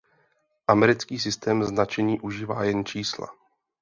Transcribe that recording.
Americký systém značení užívá jen čísla.